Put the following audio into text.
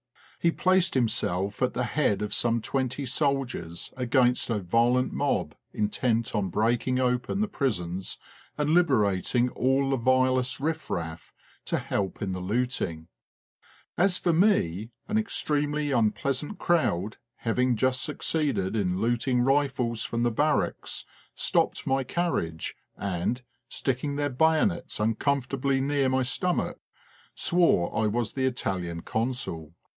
He placed himself at the head of some twenty soldiers against a violent mob intent on breaking open the prisons and liberating all the vilest riff raff to help in the looting. As for me, an extremely unpleasant crowd, having just succeeded in looting rifles from the barracks, stopped my car riage, and, sticking their bayonets uncomfortably near my stomach, swore I was the Italian Consul.